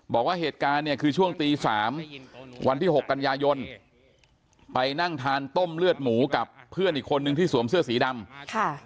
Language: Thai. บอกว่าเหตุการณ์เนี่ยคือช่วงตีสามวันที่หกกันยายนไปนั่งทานต้มเลือดหมูกับเพื่อนอีกคนนึงที่สวมเสื้อสีดำค่ะ